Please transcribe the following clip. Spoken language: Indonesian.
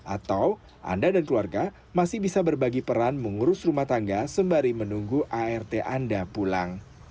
atau anda dan keluarga masih bisa berbagi peran mengurus rumah tangga sembari menunggu art anda pulang